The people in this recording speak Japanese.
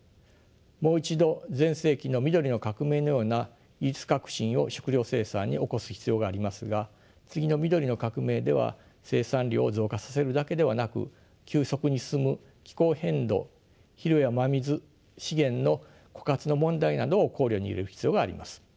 もう一度前世紀の緑の革命のような技術革新を食糧生産に起こす必要がありますが次の緑の革命では生産量を増加させるだけではなく急速に進む気候変動肥料や真水資源の枯渇の問題などを考慮に入れる必要があります。